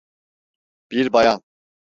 Bir bayan.